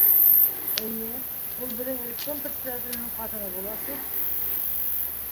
— Эйе, ул беҙҙең ревком председателенең ҡатыны була шул.